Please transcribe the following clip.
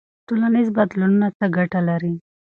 ټولنیز بدلونونه څه ګټه لري؟